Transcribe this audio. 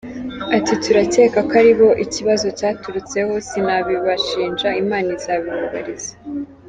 Ati :”turakeka ko aribo ikibazo cyaturutseho, sinabibashinja, Imana izabibibariza.